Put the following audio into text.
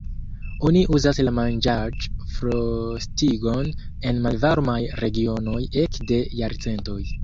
Oni uzas la manĝaĵ-frostigon en malvarmaj regionoj ekde jarcentoj.